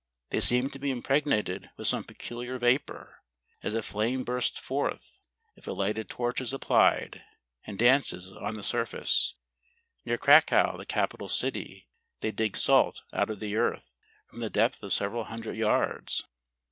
They seem to be impregnated with some peculiar vapour; as a flame bursts forth, if a lighted torch is applied, and dances on the surface. Near Cracow, the capital city, they dig salt out of the earth, from the depth of several hun¬ dred yards.